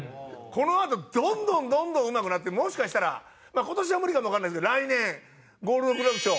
このあとどんどんどんどんうまくなってもしかしたら今年は無理かもわかんないですけど来年ゴールデン・グラブ賞。